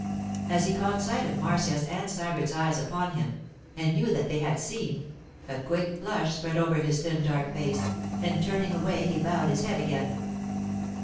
As he caught sight of Marcia's and Sybert's eyes upon him, and knew that they had seen, a quick flush spread over his thin dark face, and turning away he bowed his head again.